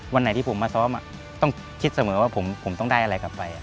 วันไหนที่ผมมาซ้อมต้องคิดเสมอว่าผมต้องได้อะไรกลับไป